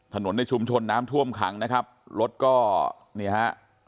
ในชุมชนน้ำท่วมขังนะครับรถก็เนี่ยฮะ